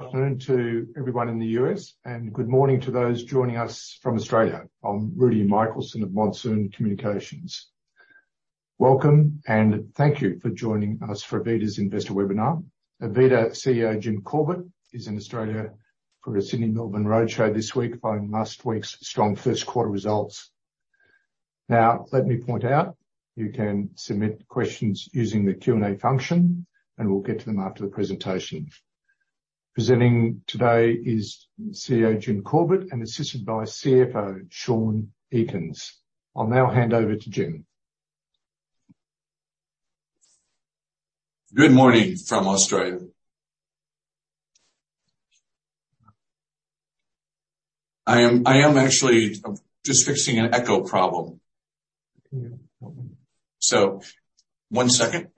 Good afternoon to everyone in the U.S., and good morning to those joining us from Australia. I'm Rudi Michelson of Monsoon Communications. Welcome, and thank you for joining us for AVITA's investor webinar. AVITA CEO, Jim Corbett, is in Australia for a Sydney, Melbourne roadshow this week following last week's strong first quarter results. Let me point out, you can submit questions using the Q&A function, and we'll get to them after the presentation. Presenting today is CEO Jim Corbett, and assisted by CFO Sean Eakins. I'll now hand over to Jim. Good morning from Australia. I am actually just fixing an echo problem. One second.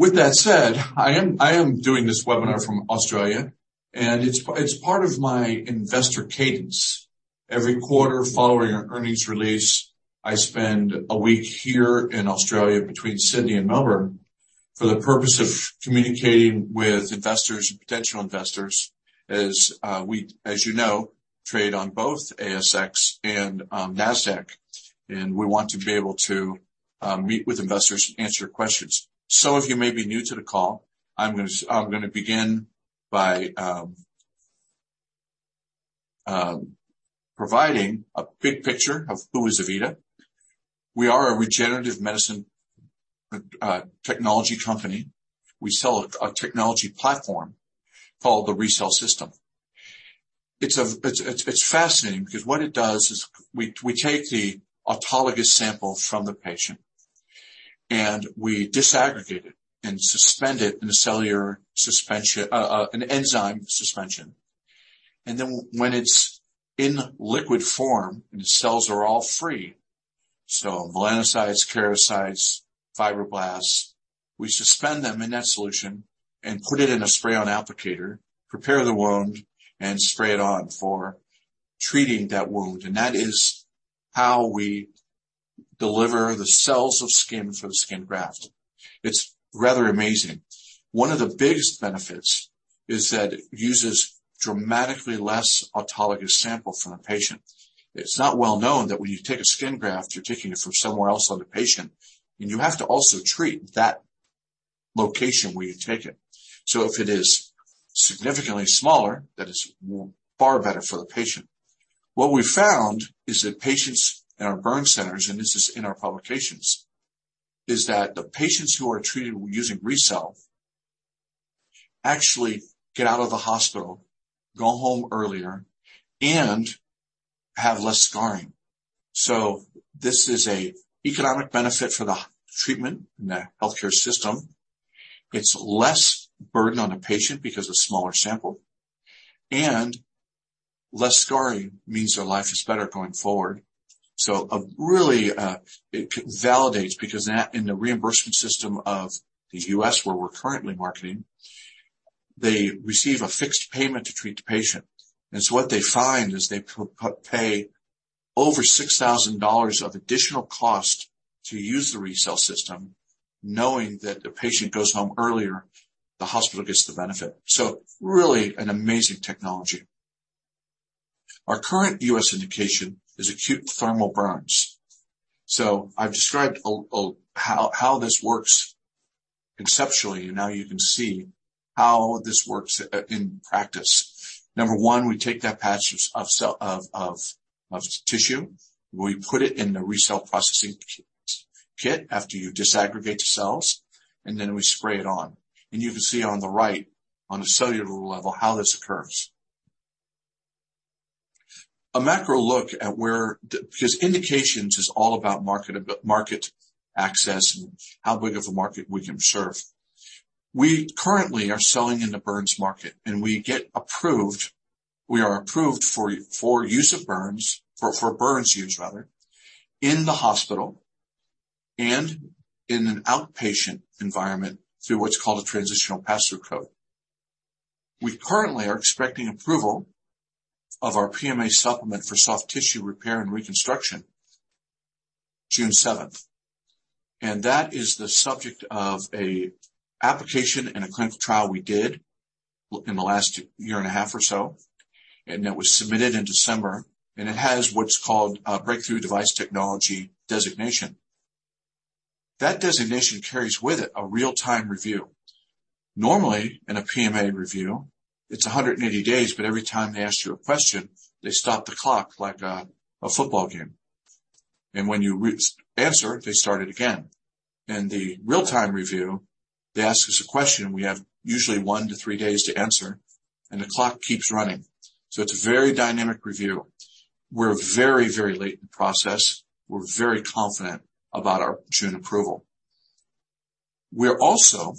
With that said, I am doing this webinar from Australia, and it's part of my investor cadence. Every quarter following our earnings release, I spend a week here in Australia between Sydney and Melbourne for the purpose of communicating with investors and potential investors as we, as you know, trade on both ASX and NASDAQ, and we want to be able to meet with investors and answer questions. Some of you may be new to the call. I'm gonna begin by providing a big picture of who is AVITA. We are a regenerative medicine technology company. We sell a technology platform called the RECELL System. It's fascinating because what it does is we take the autologous sample from the patient, and we disaggregate it and suspend it in a cellular suspension, an enzyme suspension. When it's in liquid form and the cells are all free, so melanocytes, keratinocytes, fibroblasts, we suspend them in that solution and put it in a spray-on applicator, prepare the wound, and spray it on for treating that wound. That is how we deliver the cells of skin for the skin graft. It's rather amazing. One of the biggest benefits is that it uses dramatically less autologous sample from the patient. It's not well known that when you take a skin graft, you're taking it from somewhere else on the patient, and you have to also treat that location where you take it. If it is significantly smaller, that is far better for the patient. What we found is that patients in our burn centers, and this is in our publications, is that the patients who are treated using RECELL actually get out of the hospital, go home earlier, and have less scarring. This is a economic benefit for the treatment and the healthcare system. It's less burden on the patient because of smaller sample, and less scarring means their life is better going forward. A really, it validates because in the reimbursement system of the U.S. where we're currently marketing, they receive a fixed payment to treat the patient. What they find is they pay over $6,000 of additional cost to use the RECELL System, knowing that the patient goes home earlier, the hospital gets the benefit. Really an amazing technology. Our current U.S. indication is acute thermal burns. I've described how this works conceptually. Now you can see how this works in practice. 1, we take that patch of tissue. We put it in the RECELL processing kit after you disaggregate the cells, then we spray it on. You can see on the right, on a cellular level, how this occurs. A macro look at because indications is all about market access and how big of a market we can serve. We currently are selling in the burns market, and we are approved for use of burns for burns use rather, in the hospital and in an outpatient environment through what's called a transitional pass-through code. We currently are expecting approval of our PMA supplement for soft tissue repair and reconstruction, June 7th. That is the subject of an application in a clinical trial we did in the last year and a half or so, and that was submitted in December. It has what's called a Breakthrough Device Designation. That designation carries with it a real-time review. Normally, in a PMA review, it's 180 days, but every time they ask you a question, they stop the clock like a football game. When you answer, they start it again. In the real-time review, they ask us a question, we have usually one to three days to answer, and the clock keeps running. It's a very dynamic review. We're very, very late in process. We're very confident about our June approval. We're also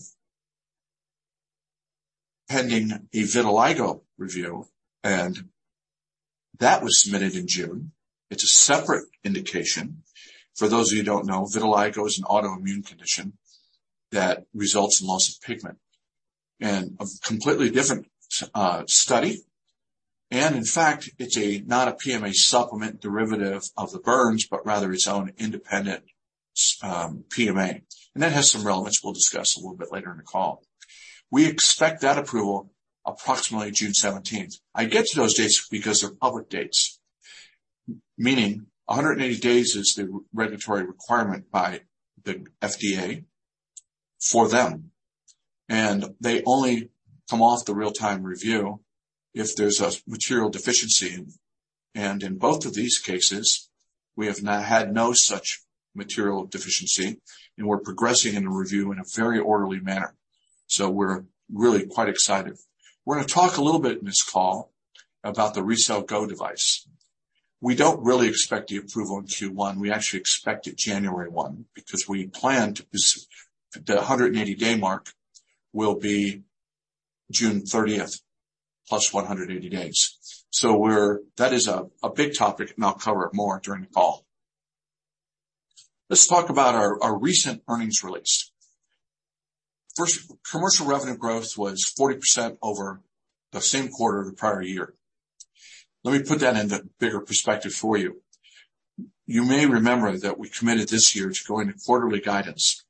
pending a vitiligo review. That was submitted in June. It's a separate indication. For those of you who don't know, vitiligo is an autoimmune condition that results in loss of pigment. A completely different study. In fact, it's not a PMA supplement derivative of the burns, but rather its own independent PMA. That has some relevance we'll discuss a little bit later in the call. We expect that approval approximately June 17th. I get to those dates because they're public dates. Meaning 180 days is the re-regulatory requirement by the FDA for them, and they only come off the real-time review if there's a material deficiency. In both of these cases, we have not had no such material deficiency, and we're progressing in the review in a very orderly manner. We're really quite excited. We're gonna talk a little bit in this call about the RECELL GO device. We don't really expect the approval in Q1. We actually expect it January 1 because we plan to be the 180 day mark will be June 30th plus 180 days. That is a big topic, and I'll cover it more during the call. Let's talk about our recent earnings release. First, commercial revenue growth was 40% over the same quarter of the prior year. Let me put that into bigger perspective for you. You may remember that we committed this year to going to quarterly guidance.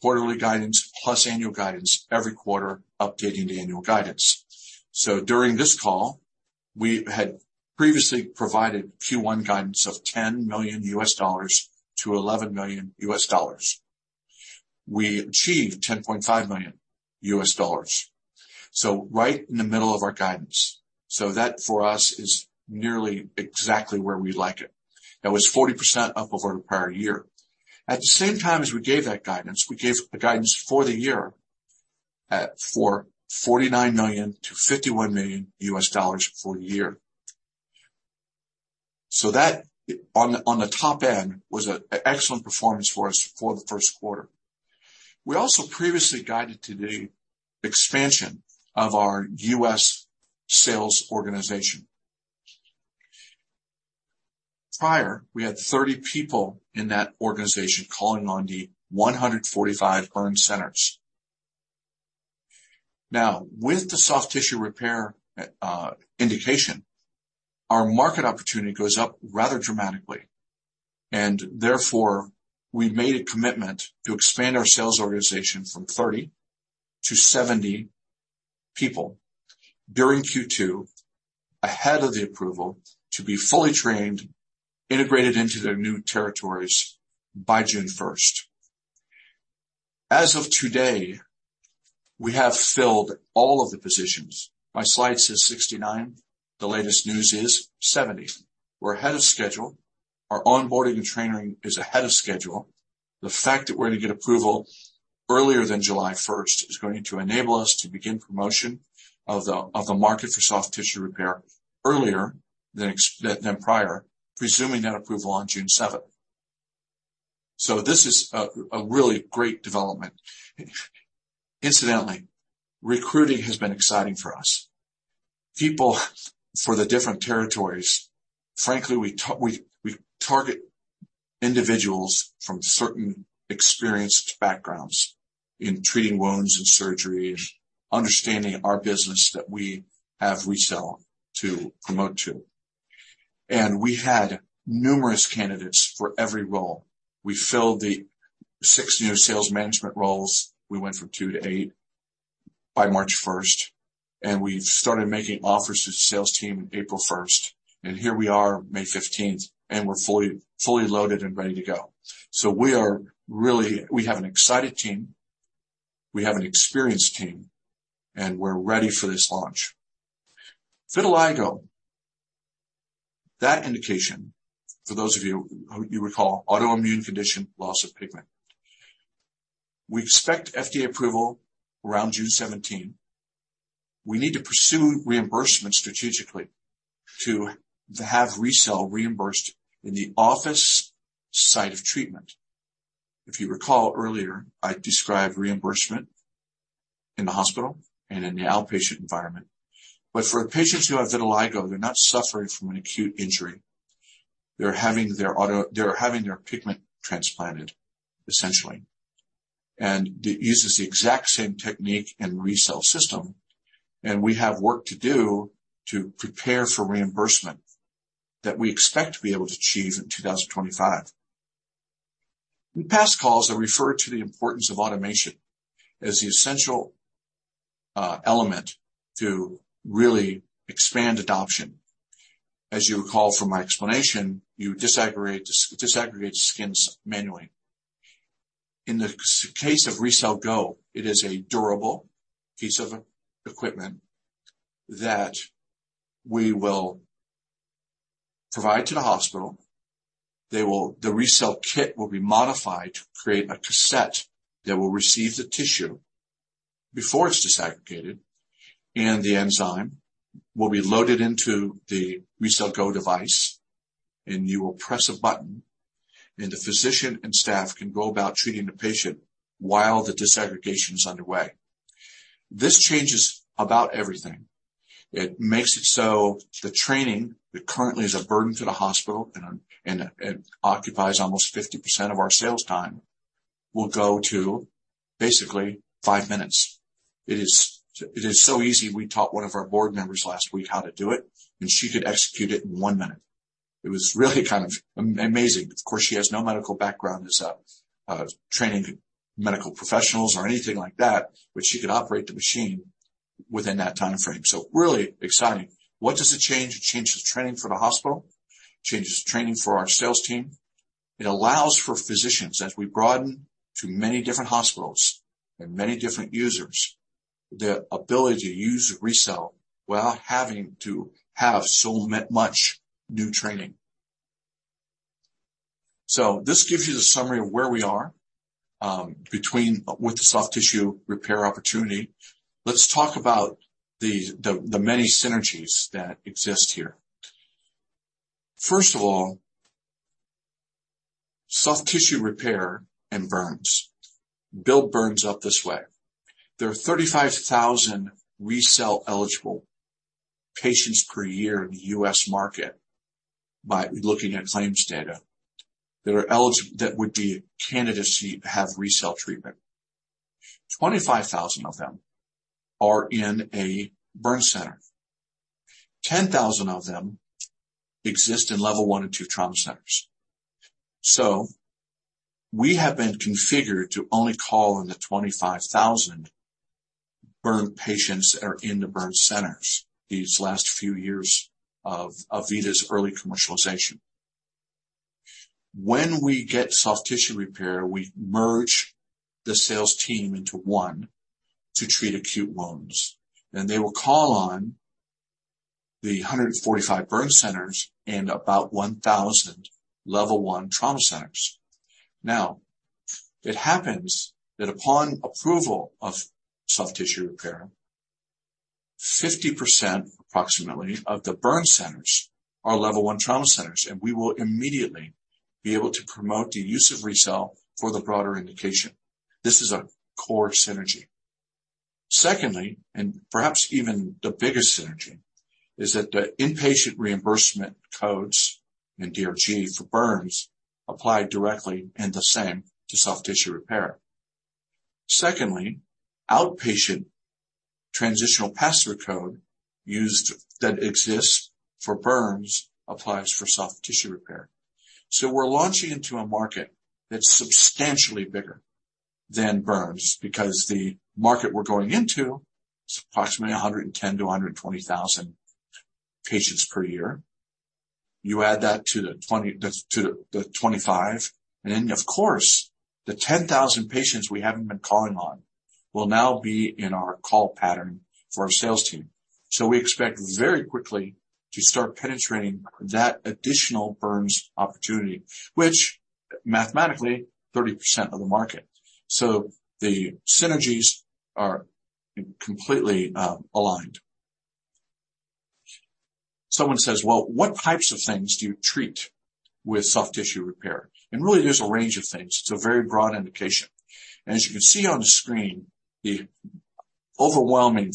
Quarterly guidance plus annual guidance every quarter, updating the annual guidance. During this call, we had previously provided Q1 guidance of $10 million-$11 million. We achieved $10.5 million. Right in the middle of our guidance. That, for us, is nearly exactly where we like it. That was 40% up over the prior year. At the same time as we gave that guidance, we gave the guidance for the year for $49 million-$51 million for the year. That on the top end was an excellent performance for us for the first quarter. We also previously guided to the expansion of our U.S. sales organization. Prior, we had 30 people in that organization calling on the 145 burn centers. With the soft tissue repair indication, our market opportunity goes up rather dramatically, and therefore we've made a commitment to expand our sales organization from 30 to 70 people during Q2 ahead of the approval to be fully trained, integrated into their new territories by June 1st. As of today, we have filled all of the positions. My slide says 69. The latest news is 70. We're ahead of schedule. Our onboarding and training is ahead of schedule. The fact that we're gonna get approval earlier than July 1st is going to enable us to begin promotion of the market for soft tissue repair earlier than prior, presuming that approval on June 7th. This is a really great development. Incidentally, recruiting has been exciting for us. People for the different territories. Frankly, we target individuals from certain experienced backgrounds in treating wounds and surgeries, understanding our business that we have RECELL to promote to. We had numerous candidates for every role. We filled the six new sales management roles. We went from two to eight by March 1st, we started making offers to the sales team April 1st. Here we are, May 15th, and we're fully loaded and ready to go. We have an excited team, we have an experienced team, and we're ready for this launch. Vitiligo, that indication for those of you who you recall, autoimmune condition, loss of pigment. We expect FDA approval around June 17. We need to pursue reimbursement strategically to have RECELL reimbursed in the office site of treatment. If you recall earlier, I described reimbursement in the hospital and in the outpatient environment. For patients who have vitiligo, they're not suffering from an acute injury. They're having their pigment transplanted, essentially. It uses the exact same technique in RECELL System. We have work to do to prepare for reimbursement that we expect to be able to achieve in 2025. In past calls, I referred to the importance of automation as the essential element to really expand adoption. As you recall from my explanation, you disaggregate skins manually. In the case of RECELL GO, it is a durable piece of equipment that we will provide to the hospital. The RECELL System will be modified to create a cassette that will receive the tissue before it's disaggregated, and the enzyme will be loaded into the RECELL GO device, and you will press a button, and the physician and staff can go about treating the patient while the disaggregation is underway. This changes about everything. It makes it so the training that currently is a burden to the hospital, and it occupies almost 50% of our sales time will go to basically five minutes. It is so easy. We taught one of our board members last week how to do it, and she could execute it in one minute. It was really kind of amazing. Of course, she has no medical background as a training medical professionals or anything like that, but she could operate the machine within that timeframe. Really exciting. What does it change? It changes the training for the hospital, changes the training for our sales team. It allows for physicians, as we broaden to many different hospitals and many different users, the ability to use RECELL without having to have so much new training. This gives you the summary of where we are with the soft tissue repair opportunity. Let's talk about the many synergies that exist here. First of all, soft tissue repair and burns. Build burns up this way. There are 35,000 RECELL-eligible patients per year in the U.S. market by looking at claims data that are that would be candidacy to have RECELL treatment. 25,000 of them are in a burn center. 10,000 of them exist in level one and two trauma centers. We have been configured to only call on the 25,000 burn patients that are in the burn centers these last few years of AVITA's early commercialization. When we get soft tissue repair, we merge the sales team into one to treat acute wounds, and they will call on the 145 burn centers and about 1,000 level one trauma centers. It happens that upon approval of soft tissue repair, 50% approximately of the burn centers are level one trauma centers, and we will immediately be able to promote the use of RECELL for the broader indication. This is a Core Synergy. Secondly, and perhaps even the biggest synergy, is that the inpatient reimbursement codes and DRG for burns apply directly and the same to soft tissue repair. Secondly, outpatient transitional pass-through code that exists for burns applies for soft tissue repair. We're launching into a market that's substantially bigger than burns because the market we're going into is approximately 110,000-120,000 patients per year. You add that to the 25, and then, of course, the 10,000 patients we haven't been calling on will now be in our call pattern for our sales team. We expect very quickly to start penetrating that additional burns opportunity, which mathematically 30% of the market. The synergies are completely aligned. Someone says, "Well, what types of things do you treat with soft tissue repair?" Really, there's a range of things. It's a very broad indication. As you can see on the screen, the overwhelming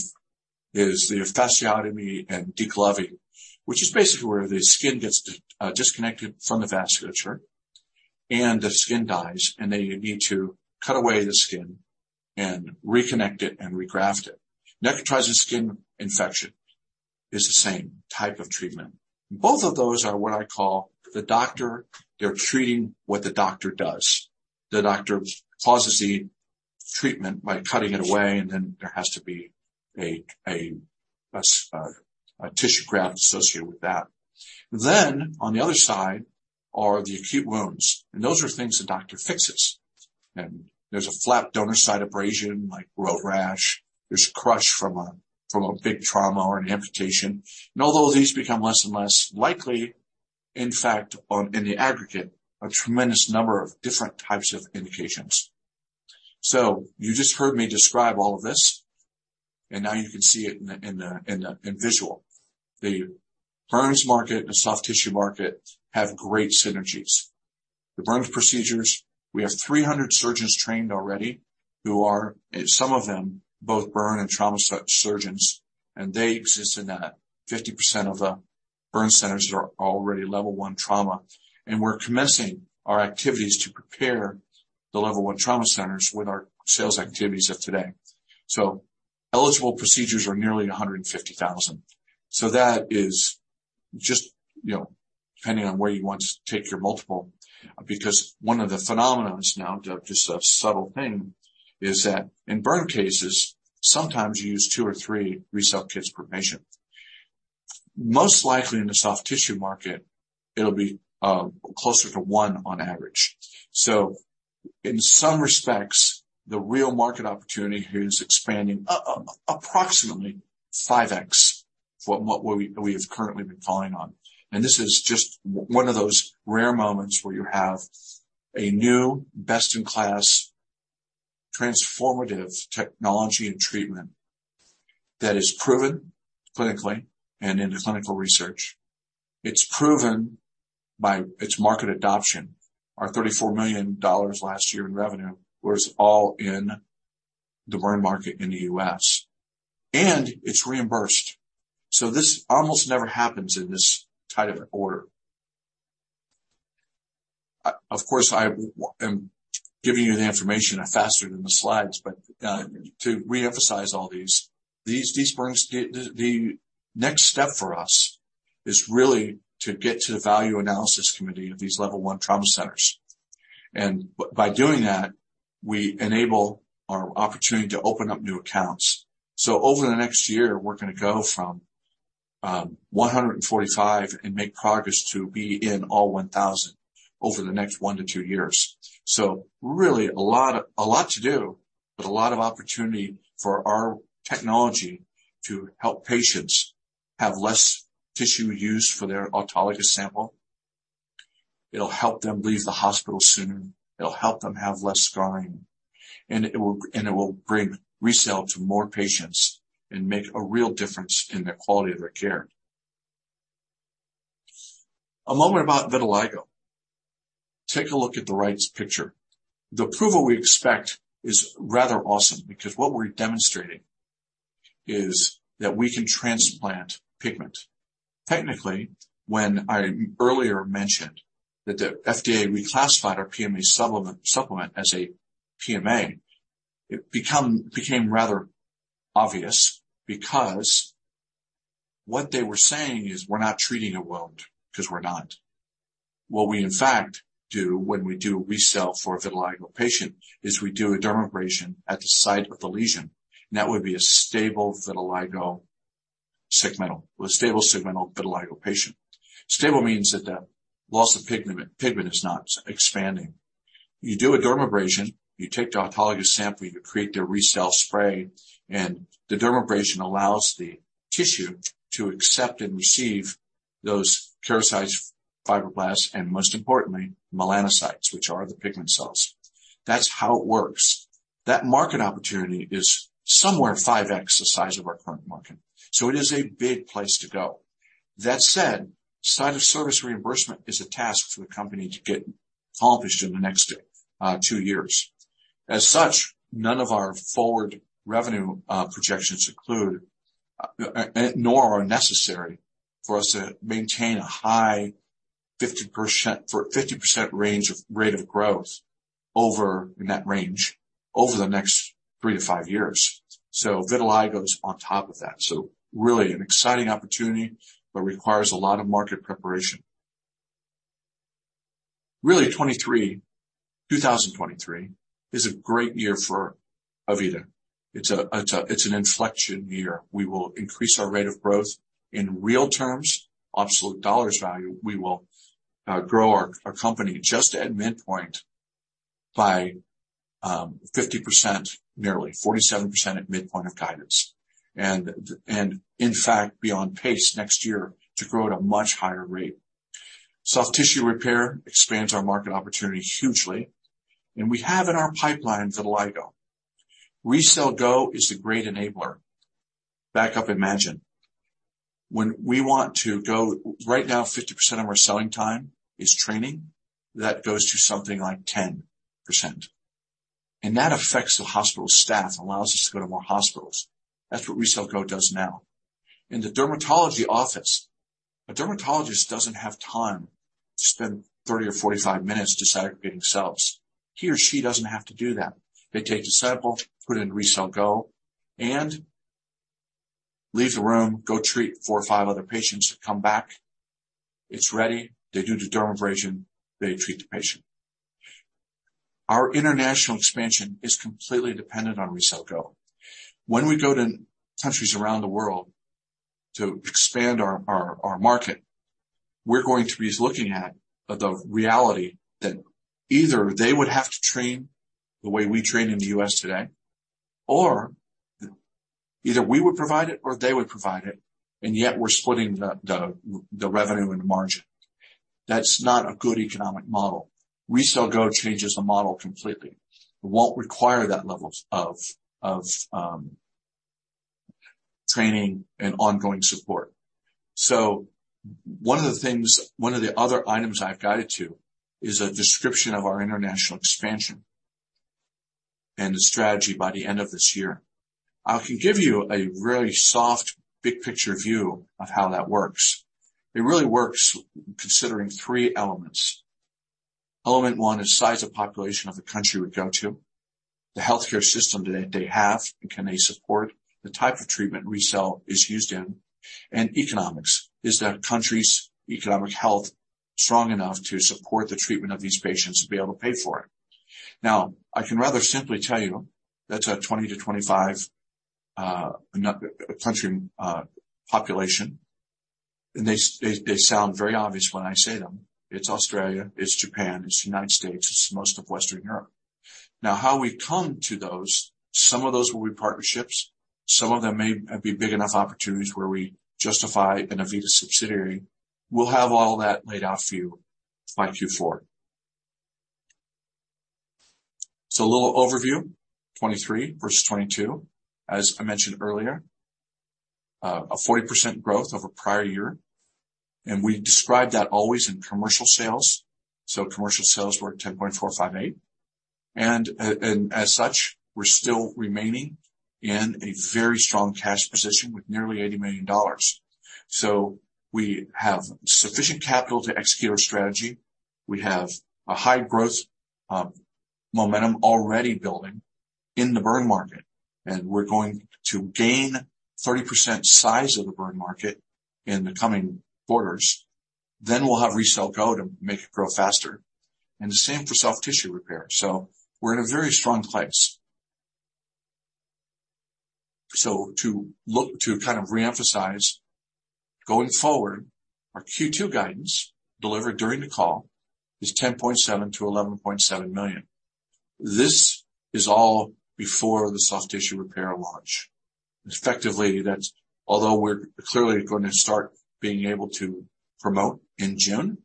is the fasciotomy and debridement, which is basically where the skin gets disconnected from the vasculature and the skin dies, and then you need to cut away the skin and reconnect it and regraft it. Necrotizing skin infection is the same type of treatment. Both of those are what I call the doctor. They're treating what the doctor does. The doctor causes the treatment by cutting it away, and then there has to be a tissue graft associated with that. On the other side are the acute wounds. Those are things the doctor fixes. There's a flap donor site abrasion like road rash. There's crush from a big trauma or an amputation. Although these become less and less likely, in fact, in the aggregate, a tremendous number of different types of indications. You just heard me describe all of this, and now you can see it in the visual. The burns market and soft tissue market have great synergies. The burns procedures, we have 300 surgeons trained already who are, some of them, both burn and trauma surgeons, and they exist in that 50% of the burn centers that are already level one trauma. We're commencing our activities to prepare the level one trauma centers with our sales activities of today. Eligible procedures are nearly 150,000. That is just, you know, depending on where you want to take your multiple, because one of the phenomenon's now, just a subtle thing, is that in burn cases, sometimes you use two or three RECELL kits per patient. Most likely in the soft tissue market it'll be closer to one on average. In some respects, the real market opportunity here is expanding approximately 5x from what we have currently been calling on. This is just one of those rare moments where you have a new best-in-class transformative technology and treatment that is proven clinically and in the clinical research. It's proven by its market adoption. Our $34 million last year in revenue was all in the burn market in the U.S., and it's reimbursed. This almost never happens in this type of order. Of course, I am giving you the information faster than the slides, but to reemphasize all these burns, the next step for us is really to get to the Value Analysis Committee of these level one trauma centers. By doing that, we enable our opportunity to open up new accounts. Over the next year, we're gonna go from 145 and make progress to be in all 1,000 over the next one to two years. Really a lot, a lot to do, but a lot of opportunity for our technology to help patients have less tissue use for their autologous sample. It'll help them leave the hospital sooner. It'll help them have less scarring, and it will bring RECELL to more patients and make a real difference in the quality of their care. A moment about vitiligo. Take a look at the right's picture. The approval we expect is rather awesome because what we're demonstrating is that we can transplant pigment. Technically, when I earlier mentioned that the FDA reclassified our PMA supplement as a PMA, it became rather obvious because what they were saying is we're not treating a wound, 'cause we're not. What we in fact do when we do RECELL for a vitiligo patient is we do a dermabrasion at the site of the lesion, and that would be a stable segmental vitiligo patient. Stable means that the loss of pigment is not expanding. You do a dermabrasion, you take the autologous sample, you create the RECELL spray, and the dermabrasion allows the tissue to accept and receive those keratinocytes, fibroblasts, and most importantly, melanocytes, which are the pigment cells. That's how it works. That market opportunity is somewhere 5x the size of our current market, so it is a big place to go. That said, site of service reimbursement is a task for the company to get accomplished in the next two years. As such, none of our forward revenue projections include nor are necessary for us to maintain a high 50% rate of growth in that range over the next three to five years. Vitiligo is on top of that. Really an exciting opportunity, but requires a lot of market preparation. Really, 2023 is a great year for AVITA. It's an inflection year. We will increase our rate of growth in real terms, absolute USD value. We will grow our company just at midpoint by 50%, nearly 47% at midpoint of guidance. In fact, be on pace next year to grow at a much higher rate. Soft tissue repair expands our market opportunity hugely, and we have in our pipeline vitiligo. RECELL GO is a great enabler. Back up Imagine. Right now, 50% of our selling time is training. That goes to something like 10%, and that affects the hospital staff and allows us to go to more hospitals. That's what RECELL GO does now. In the dermatology office, a dermatologist doesn't have time to spend 30 or 45 minutes disaggregating cells. He or she doesn't have to do that. They take the sample, put it in RECELL GO, and leave the room, go treat four or five other patients, come back, it's ready. They do the dermabrasion, they treat the patient. Our international expansion is completely dependent on RECELL GO. When we go to countries around the world to expand our market, we're going to be looking at the reality that either they would have to train the way we train in the U.S. today, or either we would provide it or they would provide it, and yet we're splitting the revenue and the margin. That's not a good economic model. RECELL GO changes the model completely. It won't require that level of training and ongoing support. One of the other items I've guided to is a description of our international expansion and the strategy by the end of this year. I can give you a really soft big picture view of how that works. It really works considering three elements. Element one is size of population of the country we go to, the healthcare system that they have and can they support the type of treatment RECELL is used in, and economics. Is that country's economic health strong enough to support the treatment of these patients to be able to pay for it? I can rather simply tell you that's a 20-25 country population, and they sound very obvious when I say them. It's Australia, it's Japan, it's United States, it's most of Western Europe. How we come to those, some of those will be partnerships, some of them may be big enough opportunities where we justify an AVITA subsidiary. We'll have all that laid out for you by Q4. A little overview, 23 versus 22. As I mentioned earlier, a 40% growth over prior year, we describe that always in commercial sales. Commercial sales were $10.458. As such, we're still remaining in a very strong cash position with nearly $80 million. We have sufficient capital to execute our strategy. We have a high growth momentum already building in the burn market, we're going to gain 30% size of the burn market in the coming quarters. We'll have RECELL GO to make it grow faster, the same for soft tissue repair. We're in a very strong place. To kind of reemphasize going forward, our Q2 guidance delivered during the call is $10.7 million-$11.7 million. This is all before the soft tissue repair launch. Effectively, although we're clearly going to start being able to promote in June,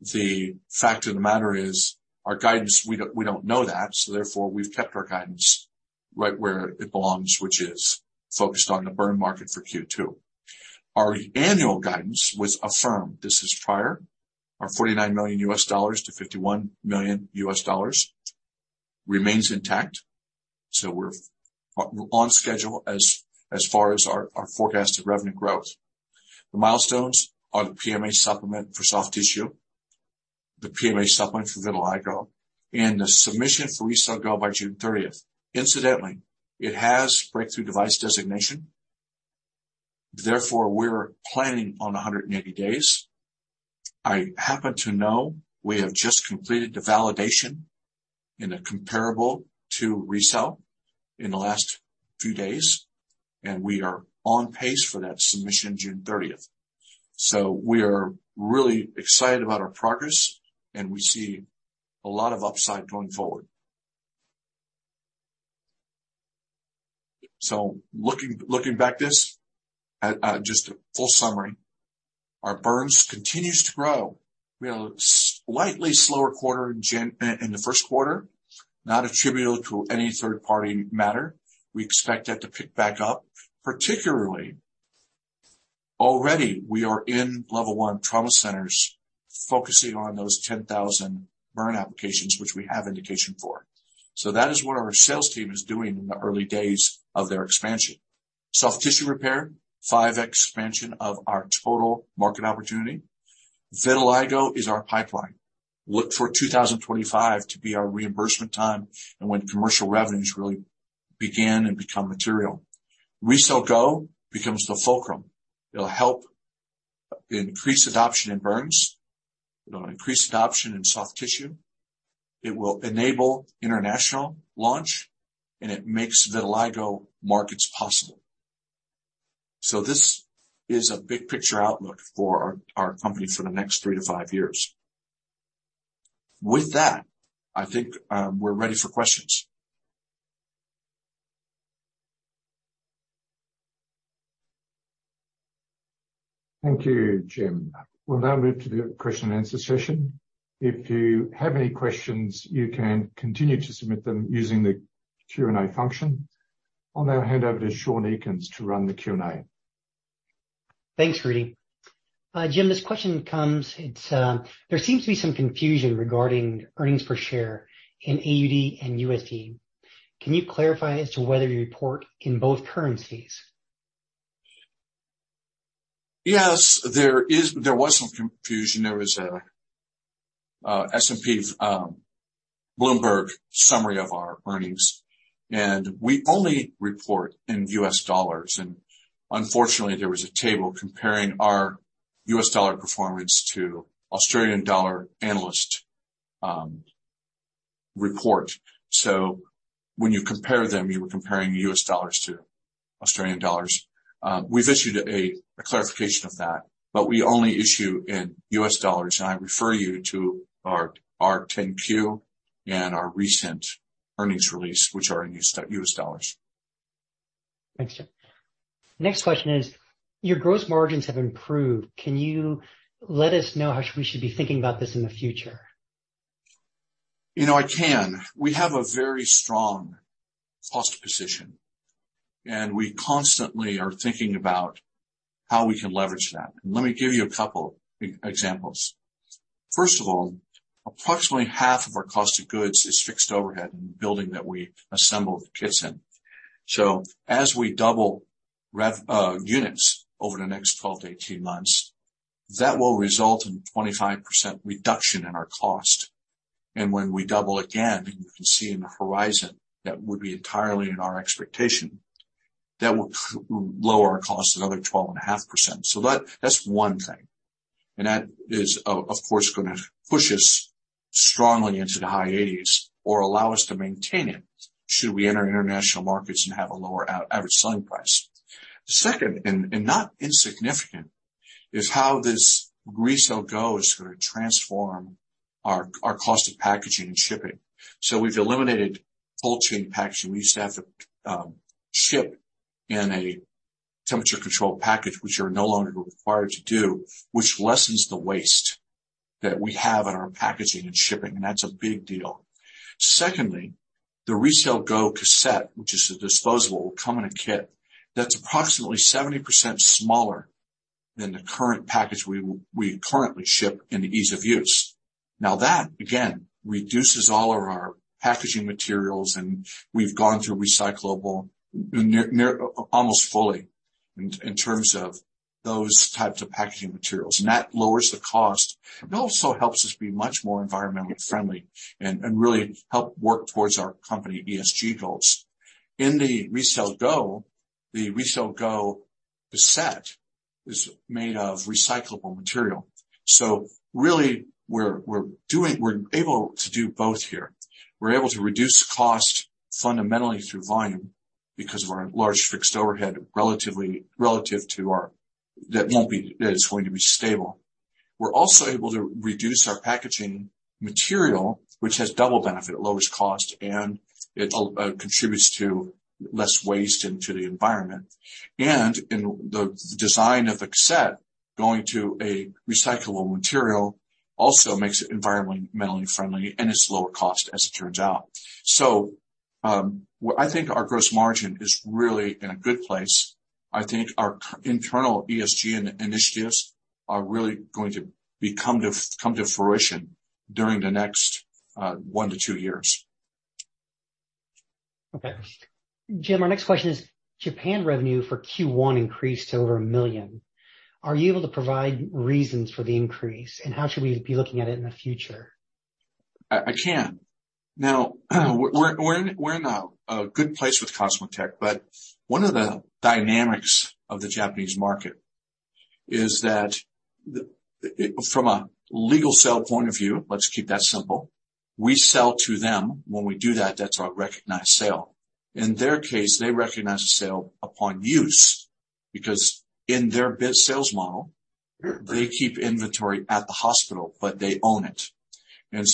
the fact of the matter is our guidance, we don't know that. Therefore, we've kept our guidance right where it belongs, which is focused on the burn market for Q2. Our annual guidance was affirmed. This is prior. Our $49 million-$51 million remains intact. We're on schedule as far as our forecasted revenue growth. The milestones are the PMA supplement for soft tissue, the PMA supplement for vitiligo, and the submission for RECELL GO by June 30th. Incidentally, it has Breakthrough Device Designation. Therefore, we're planning on 180 days. I happen to know we have just completed the validation in a comparable to RECELL in the last few days, and we are on pace for that submission June 30th. We are really excited about our progress, and we see a lot of upside going forward. Looking back this at just a full summary. Our burns continues to grow. We had a slightly slower quarter in the first quarter, not attributable to any third-party matter. We expect that to pick back up. Particularly, already we are in level one trauma centers focusing on those 10,000 burn applications which we have indication for. That is what our sales team is doing in the early days of their expansion. Soft tissue repair, five expansion of our total market opportunity. Vitiligo is our pipeline. Look for 2025 to be our reimbursement time and when commercial revenues really begin and become material. RECELL GO becomes the fulcrum. It'll help increase adoption in burns. It'll increase adoption in soft tissue. It will enable international launch, and it makes vitiligo markets possible. This is a big picture outlook for our company for the next three to five years. With that, I think, we're ready for questions. Thank you, Jim. We'll now move to the question and answer session. If you have any questions, you can continue to submit them using the Q&A function. I'll now hand over to Sean Eakins to run the Q&A. Thanks, Rudi. Jim, this question comes, it's, there seems to be some confusion regarding earnings per share in AUD and USD. Can you clarify as to whether you report in both currencies? Yes. There was some confusion. There was a S&P Bloomberg summary of our earnings, we only report in U.S. dollars. Unfortunately, there was a table comparing our U.S. dollar performance to Australian dollar analyst report. When you compare them, you were comparing U.S. dollars to Australian dollars. We've issued a clarification of that, we only issue in U.S. dollars, I refer you to our 10-Q and our recent earnings release, which are in U.S. dollars. Thanks, Jim. Next question is, your gross margins have improved. Can you let us know how we should be thinking about this in the future? You know, I can. We have a very strong cost position, and we constantly are thinking about how we can leverage that. Let me give you a couple examples. First of all, approximately half of our cost of goods is fixed overhead in the building that we assemble the kits in. As we double units over the next 12 to 18 months, that will result in 25% reduction in our cost. When we double again, and you can see in the horizon, that would be entirely in our expectation, that will lower our cost another 12.5%. That's one thing. That is, of course, going to push us strongly into the high 80s or allow us to maintain it should we enter international markets and have a lower out-average selling price. The second, and not insignificant, is how this RECELL GO is going to transform our cost of packaging and shipping. We've eliminated cold chain packaging. We used to have to ship in a temperature-controlled package, which we're no longer required to do, which lessens the waste that we have in our packaging and shipping, and that's a big deal. Secondly, the RECELL GO cassette, which is a disposable, will come in a kit that's approximately 70% smaller than the current package we currently ship and the ease of use. That, again, reduces all of our packaging materials, and we've gone through recyclable almost fully in terms of those types of packaging materials. That lowers the cost. It also helps us be much more environmentally friendly and really help work towards our company ESG goals. In the RECELL GO, the RECELL GO cassette is made of recyclable material. Really, we're able to do both here. We're able to reduce costs fundamentally through volume because of our large fixed overhead, relative to our that is going to be stable. We're also able to reduce our packaging material, which has double benefit. It lowers cost, and it contributes to less waste into the environment. In the design of the cassette, going to a recyclable material also makes it environmentally friendly, and it's lower cost, as it turns out. I think our gross margin is really in a good place. I think our internal ESG and initiatives are really come to fruition during the next one to two years. Okay. Jim, our next question is, Japan revenue for Q1 increased to over $1 million. Are you able to provide reasons for the increase, and how should we be looking at it in the future? I can. Now, we're in a good place with COSMOTEC, but one of the dynamics of the Japanese market is that from a legal sale point of view, let's keep that simple. We sell to them. When we do that's our recognized sale. In their case, they recognize the sale upon use because in their sales model, they keep inventory at the hospital, but they own it.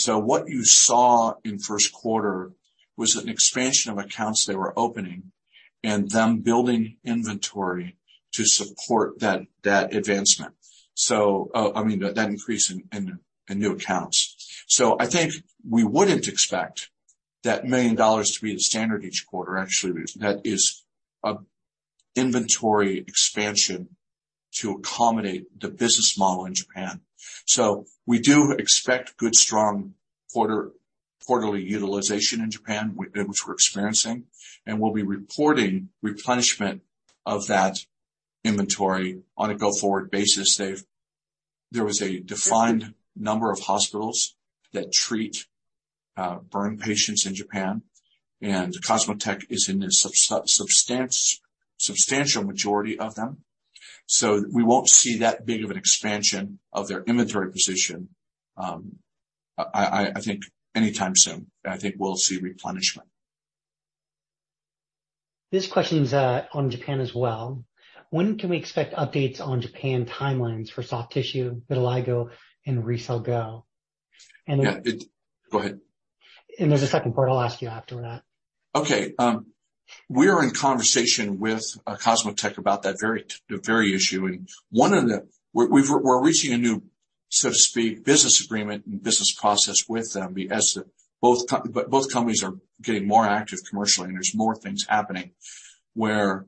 What you saw in first quarter was an expansion of accounts they were opening and them building inventory to support that advancement. I mean, that increase in new accounts. I think we wouldn't expect that $1 million to be the standard each quarter. Actually, that is an inventory expansion to accommodate the business model in Japan. We do expect good, strong quarterly utilization in Japan, which we're experiencing, and we'll be reporting replenishment of that inventory on a go-forward basis. There was a defined number of hospitals that treat burn patients in Japan, and COSMOTEC is in a substantial majority of them. We won't see that big of an expansion of their inventory position, I think anytime soon. I think we'll see replenishment. This question's on Japan as well. When can we expect updates on Japan timelines for soft tissue, vitiligo, and RECELL GO? Yeah. Go ahead. There's a second part I'll ask you after that. Okay. We are in conversation with COSMOTEC about that very, very issue. We're reaching a new, so to speak, business agreement and business process with them as both companies are getting more active commercially. There's more things happening where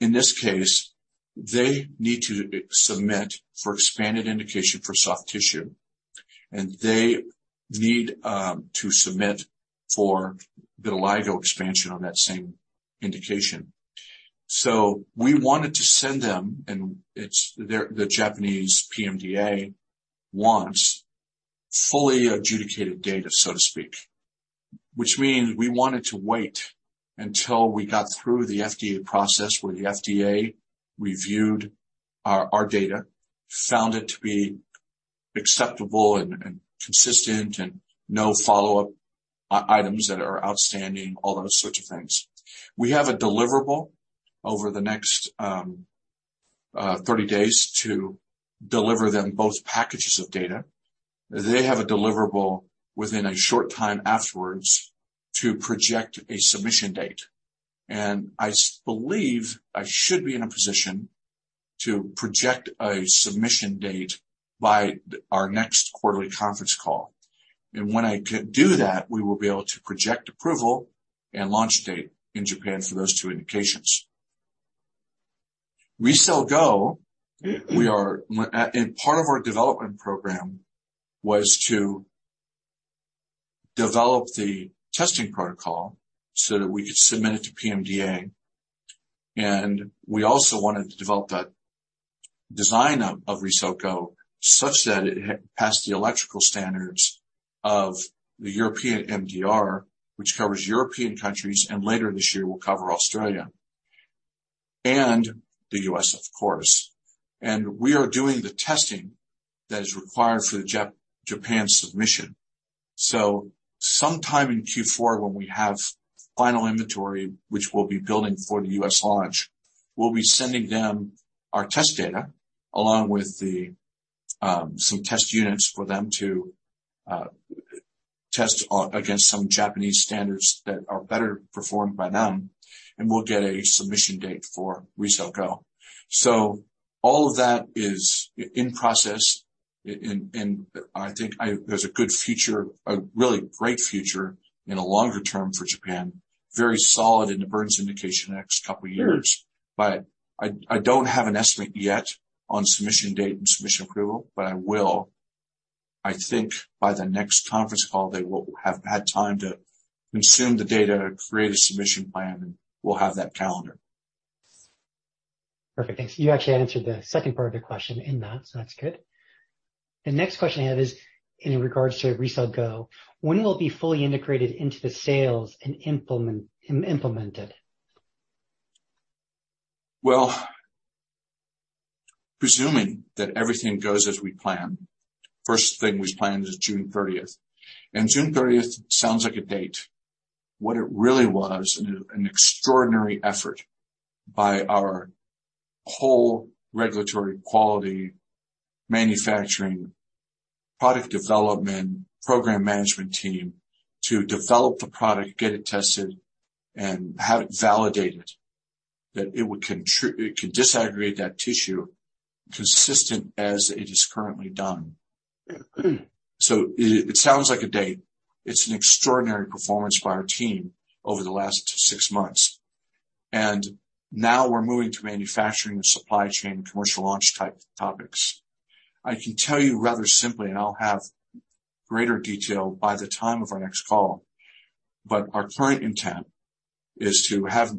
in this case, they need to submit for expanded indication for soft tissue, and they need to submit for vitiligo expansion on that same indication. We wanted to send them. The Japanese PMDA wants fully adjudicated data, so to speak, which means we wanted to wait until we got through the FDA process, where the FDA reviewed our data, found it to be acceptable and consistent and no follow-up items that are outstanding, all those sorts of things. We have a deliverable over the next 30 days to deliver them both packages of data. They have a deliverable within a short time afterwards to project a submission date. I believe I should be in a position to project a submission date by our next quarterly conference call. When I can do that, we will be able to project approval and launch date in Japan for those two indications. RECELL GO, part of our development program was to develop the testing protocol so that we could submit it to PMDA. We also wanted to develop that design of RECELL GO such that it passed the electrical standards of the European MDR, which covers European countries, and later this year will cover Australia, and the U.S., of course. We are doing the testing that is required for the Japan submission. Sometime in Q4, when we have final inventory, which we'll be building for the US launch, we'll be sending them our test data along with some test units for them to test against some Japanese standards that are better performed by them, and we'll get a submission date for RECELL GO. All of that is in process. I think there's a good future, a really great future in the longer term for Japan, very solid in the burns indication the next two years. I don't have an estimate yet on submission date and submission approval, but I will. I think by the next conference call, they will have had time to consume the data, create a submission plan, and we'll have that calendar. Perfect. Thanks. You actually answered the second part of the question in that, That's good. The next question I have is in regards to RECELL GO. When will it be fully integrated into the sales and implemented? Well, presuming that everything goes as we plan, first thing we planned is June 30th. June 30th sounds like a date. What it really was, an extraordinary effort by our whole regulatory quality manufacturing product development program management team to develop the product, get it tested, and have it validated that it could disaggregate that tissue consistent as it is currently done. It sounds like a date. It's an extraordinary performance by our team over the last six months. Now we're moving to manufacturing and supply chain, commercial launch type topics. I can tell you rather simply, and I'll have greater detail by the time of our next call, our current intent is to have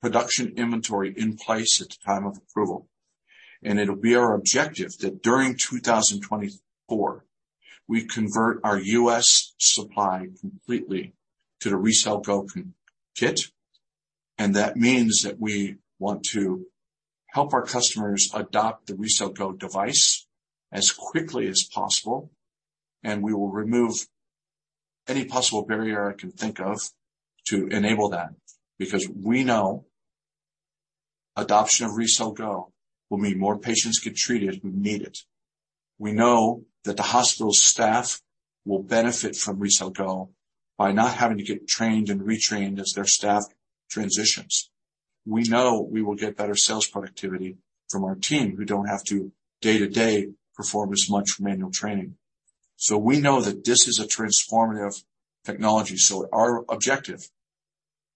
production inventory in place at the time of approval. It'll be our objective that during 2024, we convert our U.S. supply completely to the RECELL GO kit. That means that we want to help our customers adopt the RECELL GO device as quickly as possible, and we will remove any possible barrier I can think of to enable that. Because we know adoption of RECELL GO will mean more patients get treated who need it. We know that the hospital staff will benefit from RECELL GO by not having to get trained and retrained as their staff transitions. We know we will get better sales productivity from our team who don't have to day-to-day perform as much manual training. We know that this is a transformative technology, so our objective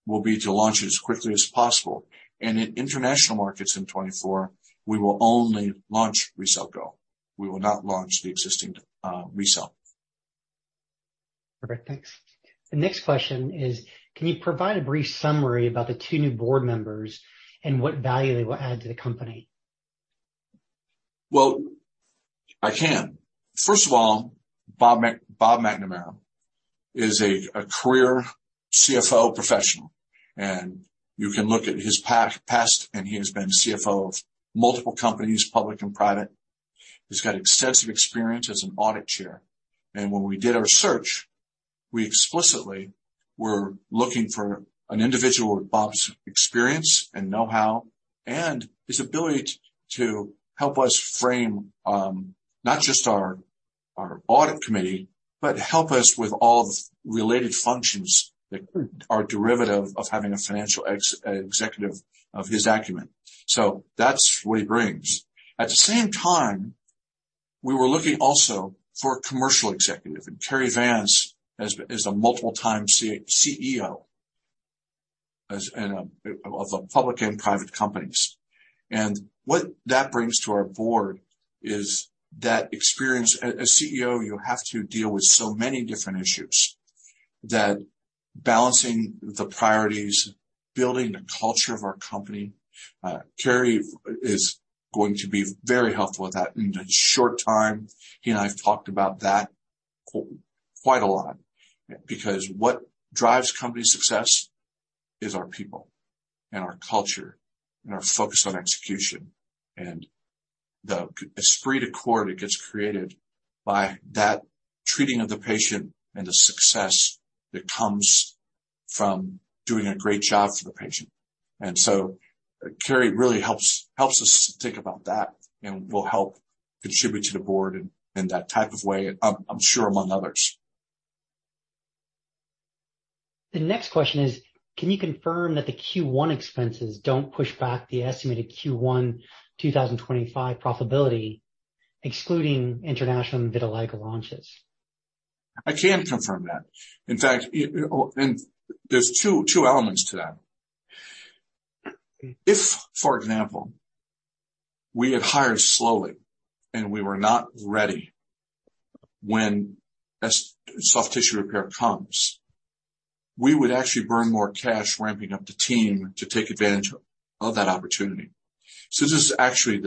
will be to launch it as quickly as possible. In international markets in 24, we will only launch RECELL GO. We will not launch the existing RECELL. Perfect. Thanks. The next question is, can you provide a brief summary about the two new board members and what value they will add to the company? Well, I can. First of all, Bob McNamara is a career CFO professional. You can look at his past, and he has been CFO of multiple companies, public and private. He's got extensive experience as an audit chair. When we did our search, we explicitly were looking for an individual with Bob's experience and know-how and his ability to help us frame, not just our audit committee, but help us with all the related functions that are derivative of having a financial executive of his acumen. That's what he brings. At the same time, we were looking also for a commercial executive, Cary Vance is a multiple-time CEO and of public and private companies. What that brings to our board is that experience. A CEO, you have to deal with so many different issues that balancing the priorities, building the culture of our company, Cary is going to be very helpful with that in a short time. He and I have talked about that quite a lot because what drives company success is our people and our culture and our focus on execution and the esprit de corps that gets created by that treating of the patient and the success that comes from doing a great job for the patient. Cary really helps us think about that and will help contribute to the board in that type of way, I'm sure among others. The next question is, can you confirm that the Q1 expenses don't push back the estimated Q1 2025 profitability, excluding international vitiligo launches? I can confirm that. In fact, there's two elements to that. If, for example, we had hired slowly and we were not ready when soft tissue repair comes, we would actually burn more cash ramping up the team to take advantage of that opportunity. This is actually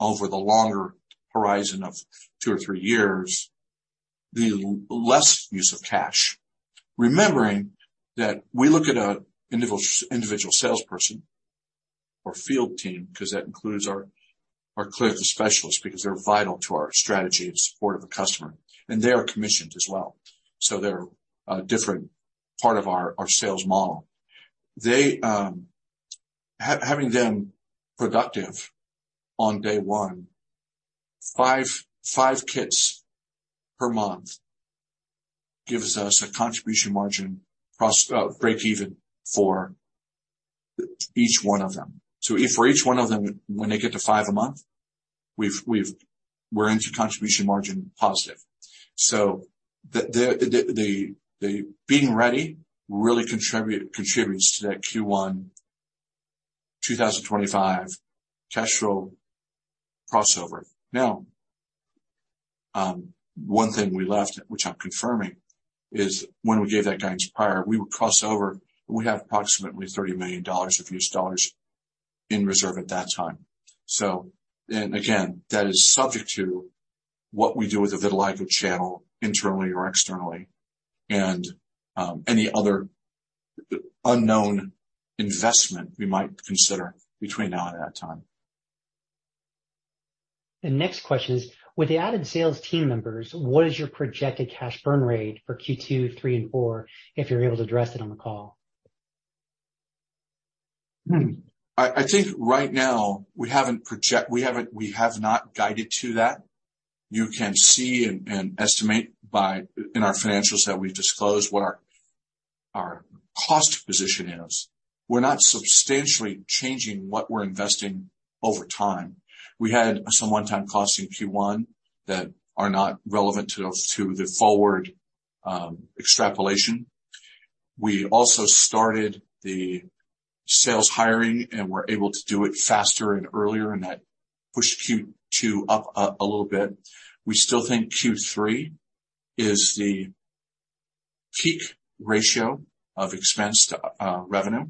over the longer horizon of two or three years, the less use of cash. Remembering that we look at an individual salesperson or field team because that includes our Clinical Specialists, because they're vital to our strategy in support of a customer, and they are commissioned as well. They're a different part of our sales model. Having them productive on day one, five kits per month gives us a contribution margin breakeven for each one of them. If for each one of them, when they get to five a month, we're into contribution margin positive. The being ready really contributes to that Q1 2025 cash flow crossover. Now, one thing we left, which I'm confirming, is when we gave that guidance prior, we would cross over. We have approximately $30 million in reserve at that time. And again, that is subject to what we do with the vitiligo channel internally or externally and any other unknown investment we might consider between now and that time. The next question is, with the added sales team members, what is your projected cash burn rate for Q2, three and four, if you're able to address it on the call? I think right now we have not guided to that. You can see and estimate in our financials that we've disclosed what our cost position is. We're not substantially changing what we're investing over time. We had some one-time costs in Q1 that are not relevant to the forward extrapolation. We also started the sales hiring, and we're able to do it faster and earlier, and that pushed Q2 up a little bit. We still think Q3 is the peak ratio of expense to revenue,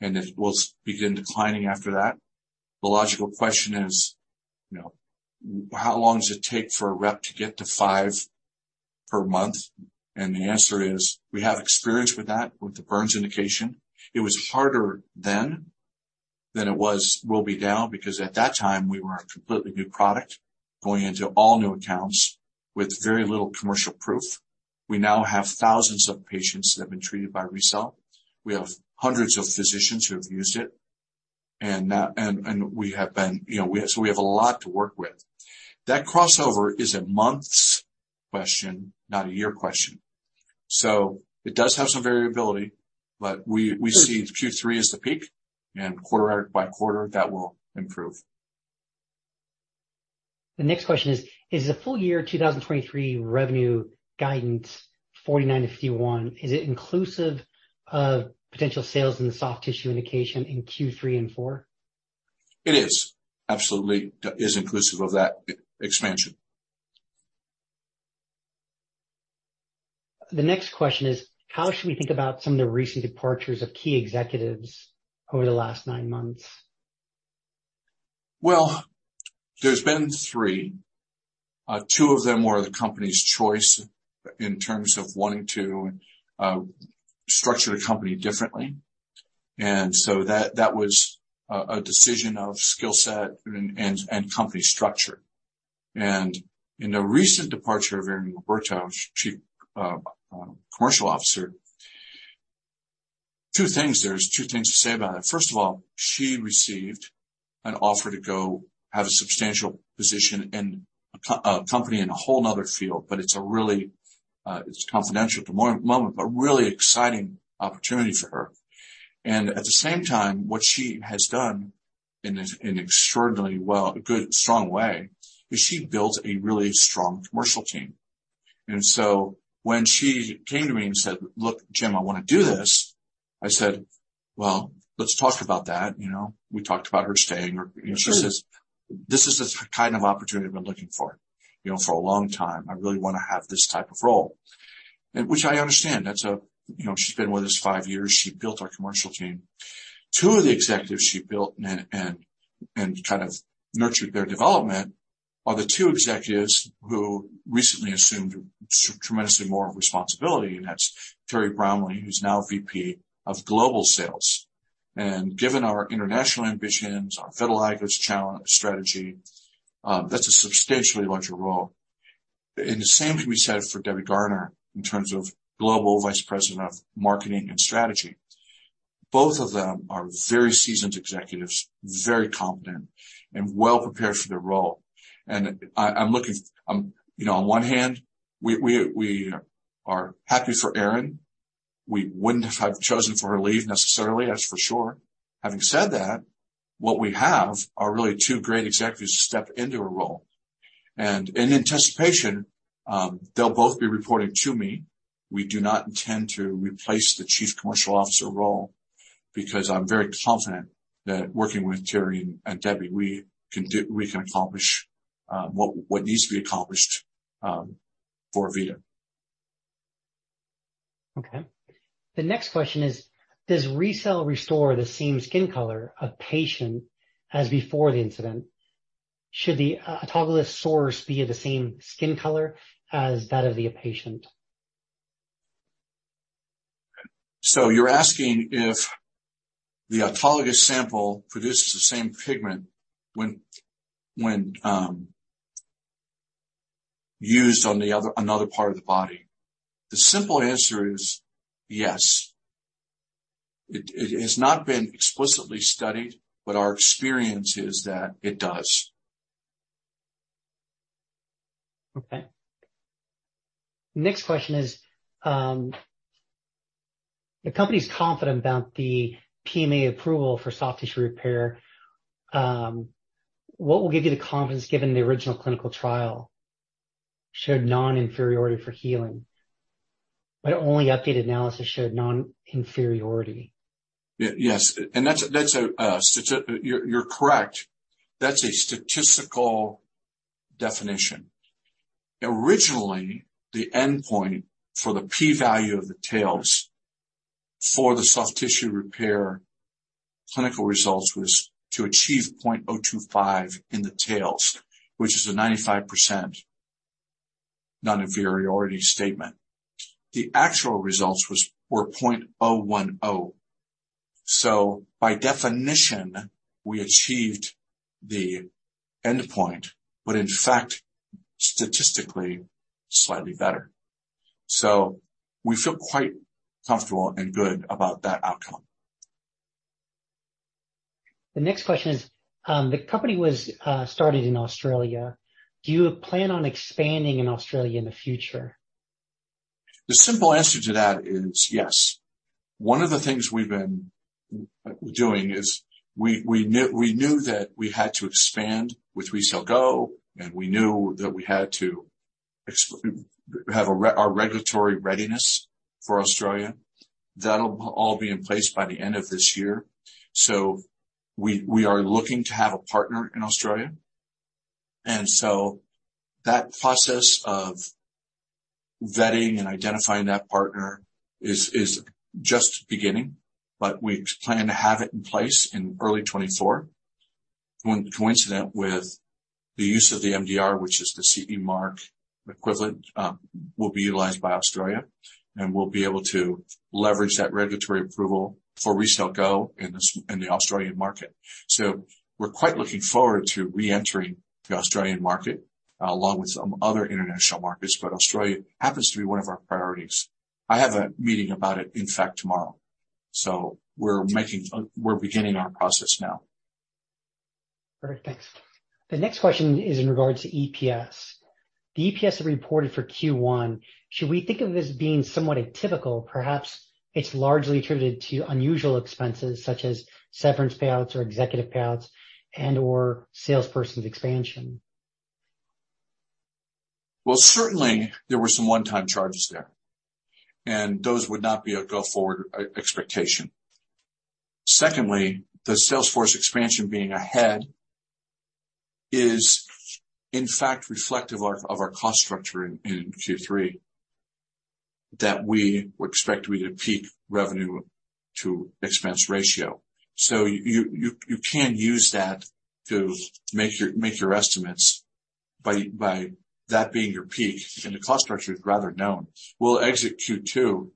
and it will begin declining after that. The logical question is, you know, how long does it take for a rep to get to five per month? The answer is, we have experience with that, with the burns indication. It was harder then than will be now, because at that time we were a completely new product going into all new accounts with very little commercial proof. We now have thousands of patients that have been treated by RECELL. We have hundreds of physicians who have used it. We have been, you know, we have a lot to work with. That crossover is a months question, not a year question. It does have some variability. We see Q3 as the peak and quarter by quarter that will improve. The next question is the full year 2023 revenue guidance $49 million-$51 million, is it inclusive of potential sales in the soft tissue indication in Q3 and Q4? It is. Absolutely is inclusive of that e-expansion. The next question is, how should we think about some of the recent departures of key executives over the last nine months? Well, there's been three. Two of them were the company's choice in terms of wanting to structure the company differently. That was a decision of skill set and company structure. In the recent departure of Erin Liberto, Chief Commercial Officer, two things. There's two things to say about it. First of all, she received an offer to go have a substantial position in a company in a whole another field. It's a really, it's confidential at the moment, but really exciting opportunity for her. At the same time, what she has done in an extraordinarily well, good, strong way, is she built a really strong commercial team. When she came to me and said, "Look, Jim, I want to do this," I said, "Well, let's talk about that." You know, we talked about her staying or, you know, she says, "This is the kind of opportunity I've been looking for, you know, for a long time. I really want to have this type of role." Which I understand. That's a, you know, she's been with us five years. She built our commercial team. Two of the executives she built and kind of nurtured their development are the two executives who recently assumed tremendously more responsibility, and that's Terry Bromley, who's now VP of Global Sales. Given our international ambitions, our vitiligo challenge strategy, that's a substantially larger role. The same can be said for Debbie Garner in terms of Global Vice President of Marketing and Strategy. Both of them are very seasoned executives, very competent and well prepared for their role. I'm looking, you know, on one hand we are happy for Erin. We wouldn't have chosen for her leave necessarily. That's for sure. Having said that, what we have are really two great executives to step into her role. In anticipation, they'll both be reporting to me. We do not intend to replace the Chief Commercial Officer role because I'm very confident that working with Terry and Debbie, we can accomplish what needs to be accomplished for AVITA. Okay. The next question is, does RECELL restore the same skin color of patient as before the incident? Should the autologous source be of the same skin color as that of the patient? You're asking if the autologous sample produces the same pigment when used on another part of the body? The simple answer is yes. It has not been explicitly studied, but our experience is that it does. Okay. Next question is, the company is confident about the PMA approval for soft tissue repair. What will give you the confidence given the original clinical trial showed non-inferiority for healing, but only updated analysis showed non-inferiority? Yes. You're correct. That's a statistical definition. Originally, the endpoint for the P-value of the tails for the soft tissue repair clinical results was to achieve 0.025 in the tails, which is a 95% non-inferiority statement. The actual results were 0.010. By definition, we achieved the endpoint, but in fact, statistically slightly better. We feel quite comfortable and good about that outcome. The next question is, the company was started in Australia. Do you plan on expanding in Australia in the future? The simple answer to that is yes. One of the things we've been doing is we knew that we had to expand with RECELL GO, and we knew that we had to have a regulatory readiness for Australia. That'll all be in place by the end of this year. We are looking to have a partner in Australia. That process of vetting and identifying that partner is just beginning, but we plan to have it in place in early 2024, when coincident with the use of the MDR, which is the CE mark equivalent, will be utilized by Australia, and we'll be able to leverage that regulatory approval for RECELL GO in the Australian market. We're quite looking forward to reentering the Australian market along with some other international markets, but Australia happens to be one of our priorities. I have a meeting about it, in fact, tomorrow. We're beginning our process now. Perfect. Thanks. The next question is in regards to EPS. The EPS reported for Q1, should we think of this being somewhat atypical? Perhaps it's largely attributed to unusual expenses such as severance payouts or executive payouts and/or salesperson expansion. Well, certainly, there were some one-time charges there, and those would not be a go-forward e-expectation. Secondly, the sales force expansion being ahead is, in fact, reflective of our cost structure in Q3, that we would expect to be at a peak revenue to expense ratio. You can use that to make your estimates by that being your peak and the cost structure is rather known. We'll exit Q2.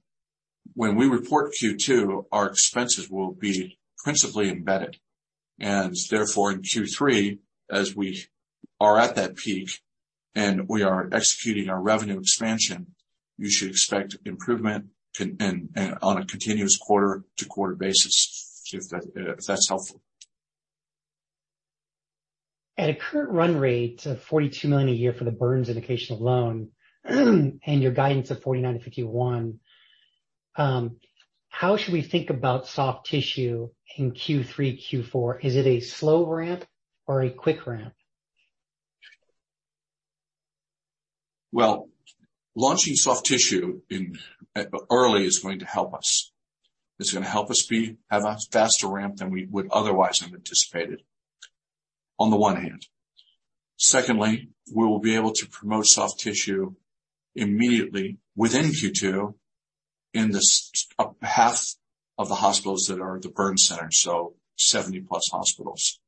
When we report Q2, our expenses will be principally embedded. Therefore, in Q3, as we are at that peak and we are executing our revenue expansion, you should expect improvement and on a continuous quarter-to-quarter basis, if that's helpful. At a current run rate of $42 million a year for the burns indication alone and your guidance of $49 million-$51 million, how should we think about soft tissue in Q3, Q4? Is it a slow ramp or a quick ramp? Well, launching soft tissue early is going to help us. It's going to help us have a faster ramp than we would otherwise have anticipated on the one hand. Secondly, we will be able to promote soft tissue immediately within Q2 in this half of the hospitals that are the burn center, so 70+ hospitals.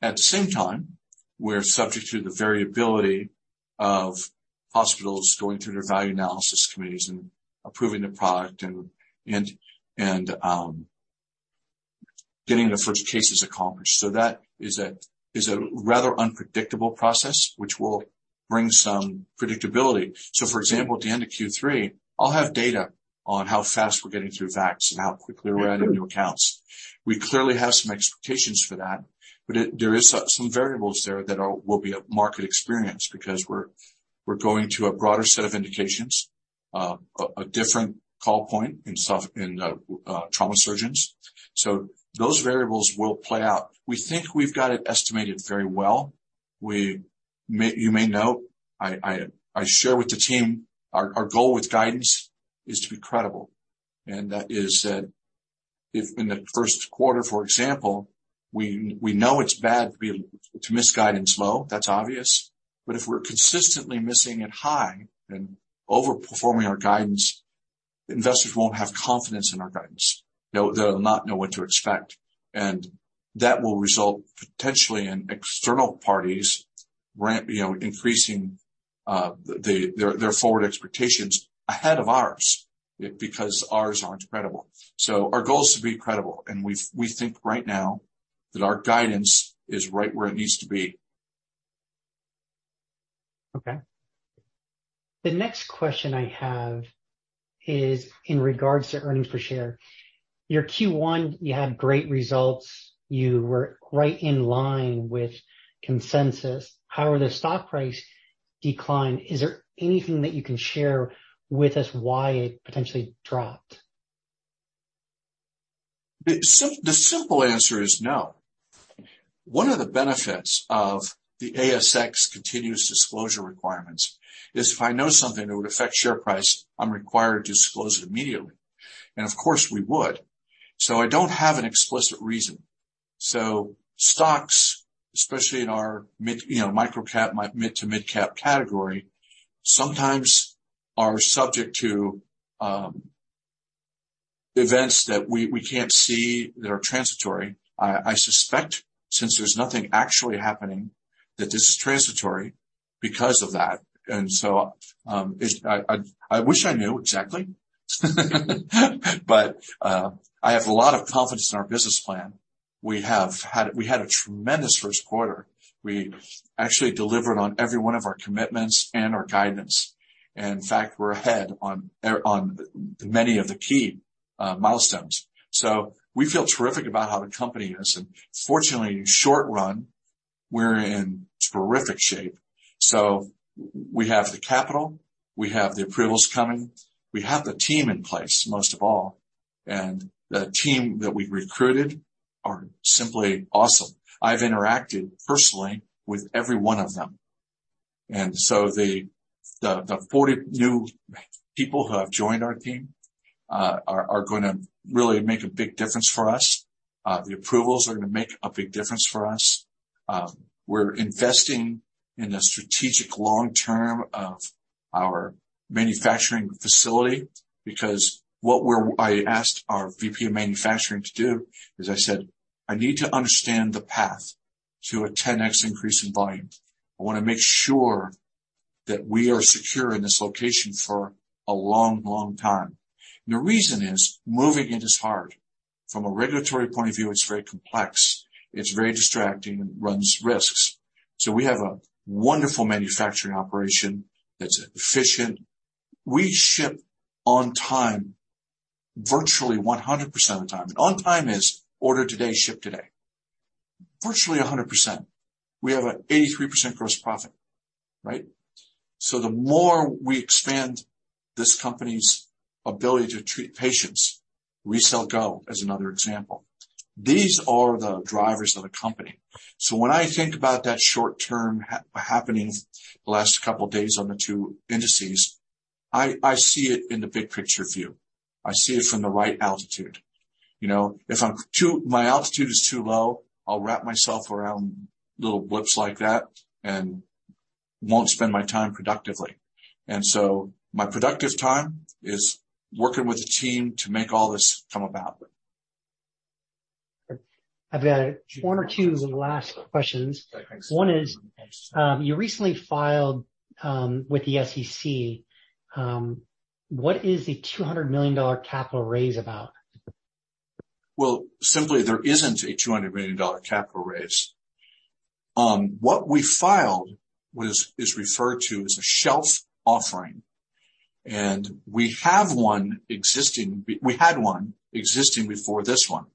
At the same time, we're subject to the variability of hospitals going through their Value Analysis Committees and approving the product and getting the first cases accomplished. That is a, is a rather unpredictable process which will bring some predictability. For example, at the end of Q3, I'll have data on how fast we're getting through VAC and how quickly we're adding new accounts. We clearly have some expectations for that, but there is some variables there that will be a market experience because we're going to a broader set of indications, a different call point in trauma surgeons. Those variables will play out. We think we've got it estimated very well. You may note, I share with the team, our goal with guidance is to be credible. That is that if in the first quarter, for example, we know it's bad to miss guidance low, that's obvious. If we're consistently missing it high and overperforming our guidance, investors won't have confidence in our guidance. You know, they'll not know what to expect. That will result potentially in external parties you know, increasing, their forward expectations ahead of ours because ours aren't credible. Our goal is to be credible. We think right now that our guidance is right where it needs to be. Okay. The next question I have is in regards to earnings per share. Your Q1, you had great results. You were right in line with consensus. However, the stock price declined. Is there anything that you can share with us why it potentially dropped? The simple answer is no. One of the benefits of the ASX continuous disclosure requirements is if I know something that would affect share price, I'm required to disclose it immediately. Of course, we would. I don't have an explicit reason. Stocks, especially in our mid, you know, micro-cap, mid to mid-cap category, sometimes are subject to events that we can't see that are transitory. I suspect since there's nothing actually happening, that this is transitory because of that. I wish I knew exactly, but I have a lot of confidence in our business plan. We had a tremendous first quarter. We actually delivered on every one of our commitments and our guidance. In fact, we're ahead on many of the key milestones. We feel terrific about how the company is. Fortunately, short run, we're in terrific shape. We have the capital, we have the approvals coming, we have the team in place, most of all. The team that we've recruited are simply awesome. I've interacted personally with every one of them. The 40 new people who have joined our team, are gonna really make a big difference for us. The approvals are gonna make a big difference for us. We're investing in the strategic long term of our manufacturing facility because I asked our VP of manufacturing to do is I said, "I need to understand the path to a 10x increase in volume. I wanna make sure that we are secure in this location for a long, long time." The reason is moving it is hard. From a regulatory point of view, it's very complex, it's very distracting, and runs risks. We have a wonderful manufacturing operation that's efficient. We ship on time virtually 100% of the time. On time is order today, ship today. Virtually 100%. We have an 83% gross profit, right? The more we expand this company's ability to treat patients, RECELL GO as another example, these are the drivers of the company. When I think about that short term happening the last couple days on the two indices, I see it in the big picture view. I see it from the right altitude. You know, if my altitude is too low, I'll wrap myself around little whoops like that and won't spend my time productively. My productive time is working with the team to make all this come about. I've got one or two last questions. One is, you recently filed, with the SEC, what is the $200 million capital raise about? Well, simply there isn't a $200 million capital raise. What we filed is referred to as a shelf offering, we had one existing before this one.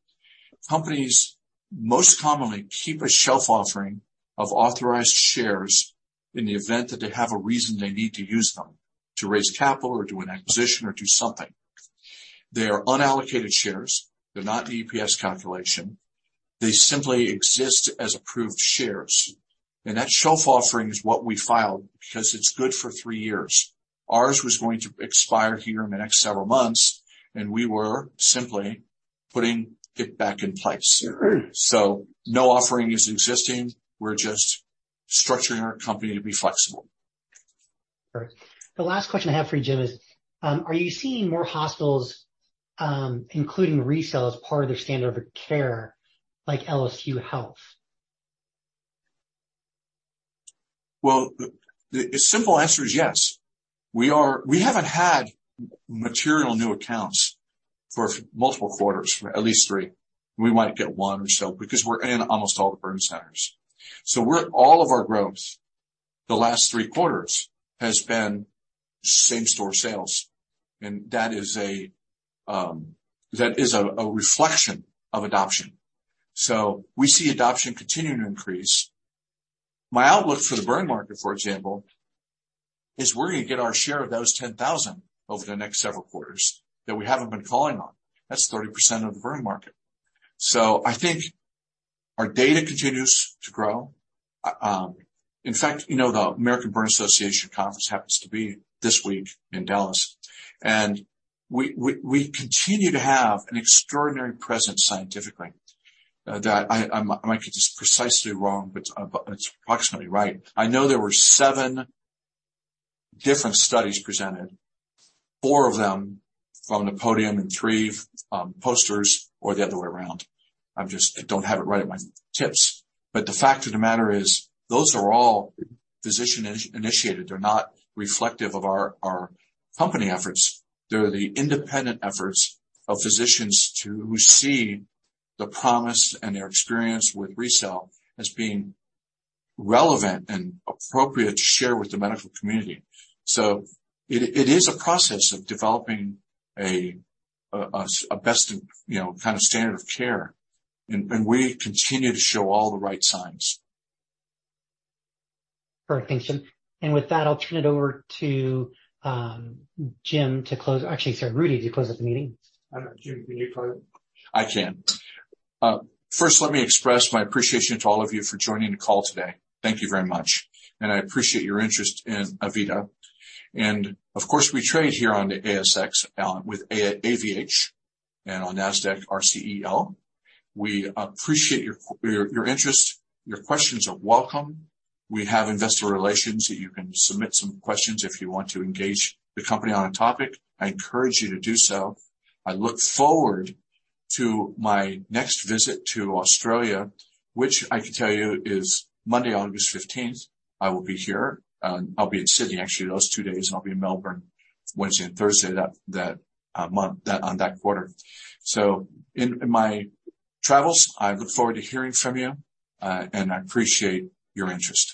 Companies most commonly keep a shelf offering of authorized shares in the event that they have a reason they need to use them to raise capital or do an acquisition or do something. They are unallocated shares. They're not in the EPS calculation. They simply exist as approved shares. That shelf offering is what we filed because it's good for three years. Ours was going to expire here in the next several months, and we were simply putting it back in place. No offering is existing, we're just structuring our company to be flexible. Great. The last question I have for you, Jim, is, are you seeing more hospitals, including RECELL as part of their standard of care like LSU Health? Well, the simple answer is yes. We haven't had material new accounts for multiple quarters, for at least three. We might get one or so because we're in almost all the burn centers. All of our growth the last three quarters has been same store sales, and that is a reflection of adoption. We see adoption continuing to increase. My outlook for the burn market, for example, is we're gonna get our share of those 10,000 over the next several quarters that we haven't been calling on. That's 30% of the burn market. I think our data continues to grow. In fact, you know, the American Burn Association conference happens to be this week in Dallas, and we continue to have an extraordinary presence scientifically that I might get this precisely wrong, but it's approximately right. I know there were seven different studies presented, four of them from the podium and three posters or the other way around. I don't have it right at my tips. The fact of the matter is those are all physician in-initiated. They're not reflective of our company efforts. They're the independent efforts of physicians who see the promise and their experience with RECELL as being relevant and appropriate to share with the medical community. It is a process of developing a best, you know, kind of standard of care, and we continue to show all the right signs. Perfect. Thanks, Jim. With that, I'll turn it over to Jim to close. Sorry, Rudi to close up the meeting. I don't know, Jim, will you close? I can. First, let me express my appreciation to all of you for joining the call today. Thank you very much. I appreciate your interest in AVITA. Of course, we trade here on the ASX with AVH and on NASDAQ, RCEL. We appreciate your interest. Your questions are welcome. We have investor relations that you can submit some questions if you want to engage the company on a topic. I encourage you to do so. I look forward to my next visit to Australia, which I can tell you is Monday, August 15th. I will be here. I'll be in Sydney, actually, those two days, and I'll be in Melbourne Wednesday and Thursday that month, on that quarter. In my travels, I look forward to hearing from you, and I appreciate your interest.